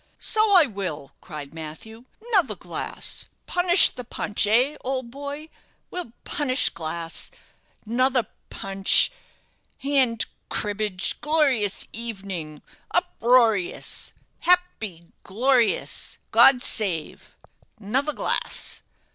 "So I will," cried Matthew; "'nother glass punish the punch eh old boy? We'll punish glass 'nother punch hand cribbage glorious evenin' uproarious happy glorious God save 'nother glass."